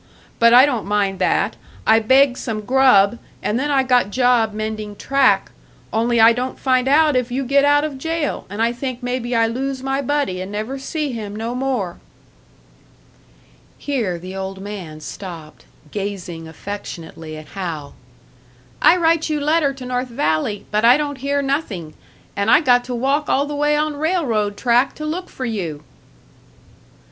But I don't mind that, I begged some grub, and then I got job mending track; only I don't find out if you get out of jail, and I think maybe I lose my buddy and never see him no more." Here the old man stopped, gazing affectionately at Hal. "I write you letter to North Valley, but I don't hear nothing, and I got to walk all the way on railroad track to look for you."